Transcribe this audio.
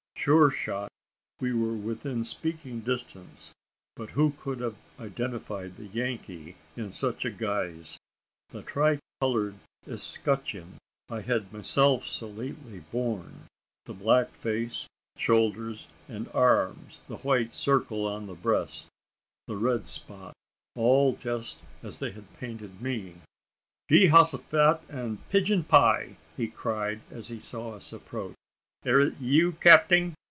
Sure shot! we were within speaking distance; but who could have identified the Yankee in such a guise? The tricoloured escutcheon I had myself so lately borne the black face, shoulders, and arms the white circle on the breast the red spot all just as they had painted me! "Jehosophet an' pigeon pie!" cried he, as he saw us approach; "air it yeou, capting?